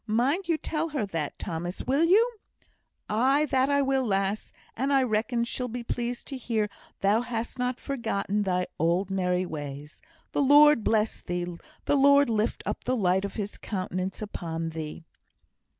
Mind you tell her that, Thomas, will you?" "Aye, that I will, lass; and I reckon she'll be pleased to hear thou hast not forgotten thy old merry ways. The Lord bless thee the Lord lift up the light of His countenance upon thee."